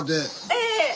ええ。